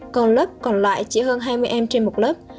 còn lớp còn lại chỉ hơn hai mươi em trên một lớp